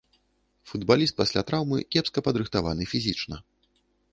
Футбаліст пасля траўмы кепска падрыхтаваны фізічна.